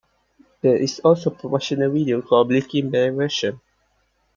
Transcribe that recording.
There is also a promotional video called "Blinking Bear Version".